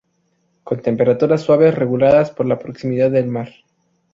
Con temperaturas suaves reguladas por la proximidad del mar.